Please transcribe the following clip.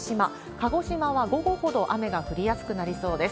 鹿児島は午後ほど雨が降りやすくなりそうです。